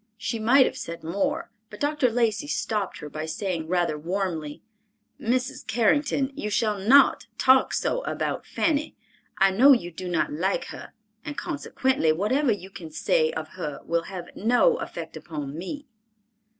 She might have said more, but Dr. Lacey stopped her by saying rather warmly, "Mrs. Carrington, you shall not talk so about Fanny. I know you do not like her, and consequently, whatever you can say of her will have no effect upon me."